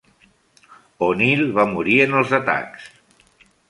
O'Neill va morir en els atacs.